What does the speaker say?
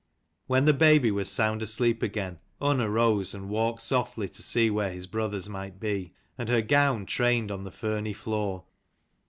When the baby was sound asleep again, Unna rose, and walked softly to see where his brothers might be : and her gown trained on the ferny floor.